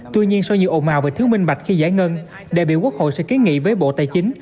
tuy nhiên so với nhiều ồn mào và thứ minh bạch khi giải ngân đại biểu quốc hội sẽ kiến nghị với bộ tài chính